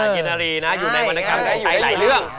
กินนารีนะอยู่ในวรรณกรรมการใช้หลายเรื่อง